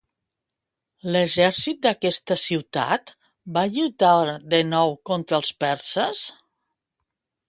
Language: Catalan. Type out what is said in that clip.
L'exèrcit d'aquesta ciutat va lluitar de nou contra els perses?